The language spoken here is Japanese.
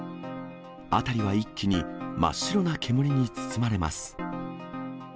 辺りは一気に真っ白な煙に包まれます。